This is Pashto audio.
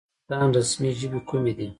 د افغانستان رسمي ژبې کومې دي؟